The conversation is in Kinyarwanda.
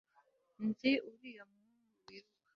nzi uriya muhungu wiruka